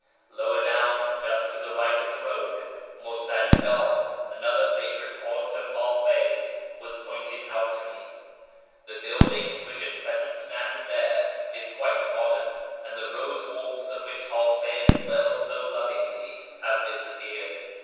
Lower down, just to the right of the road, Musalla, another favourite haunt of Hafiz, was pointed out to me. The building wdiich at present stands there is quite modern, and the "rose walks," on which Hafiz dwells so lovingly, have dis appeared.